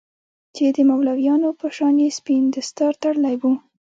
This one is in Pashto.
چې د مولويانو په شان يې سپين دستار تړلى و.